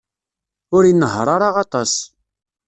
Ur inehheṛ ara aṭas.